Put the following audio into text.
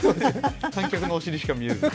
観客のお尻しか見えず。